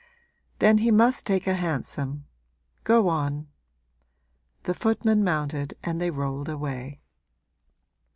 'Then he must take a hansom. Go on.' The footman mounted and they rolled away.